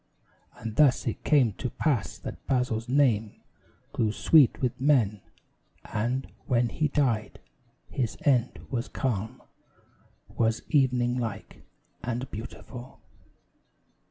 And thus it came to pass that Basil's name Grew sweet with men; and, when he died, his end Was calm was evening like, and beautiful.